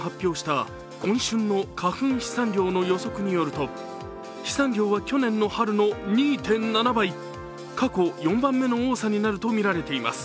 先週、東京都が発表した今春の花粉飛散量の予測によると飛散量は去年の春の２．７倍、過去４番目の多さになるとみられています。